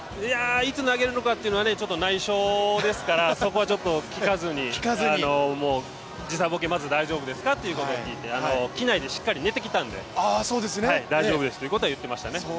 いつ投げるのかというのは内緒ですから、そこは聞かずに、時差ぼけまず大丈夫ですかということを聞いて機内でしっかり寝てきたので大丈夫ですということは言っていましたね。